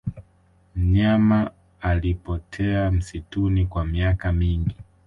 mnyama alipotea msituni kwa miaka mingi